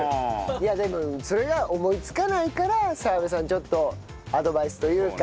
いやでもそれが思いつかないから澤部さんちょっとアドバイスというか。